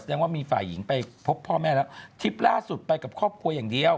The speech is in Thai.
แสดงว่ามีฝ่ายหญิงไปพบพ่อแม่แล้วทริปล่าสุดไปกับครอบครัวอย่างเดียว